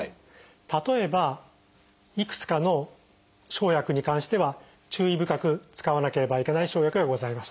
例えばいくつかの生薬に関しては注意深く使わなければいけない生薬がございます。